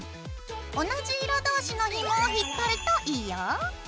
同じ色同士のひもを引っ張るといいよ。